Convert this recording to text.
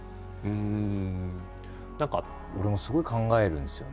俺もすごい考えるんですよね。